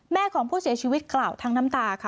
แม่ของผู้เสียชีวิตกล่าวทั้งน้ำตาค่ะ